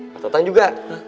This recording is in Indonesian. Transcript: pak tatang juga